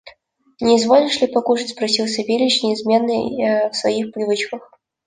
– Не изволишь ли покушать? – спросил Савельич, неизменный в своих привычках.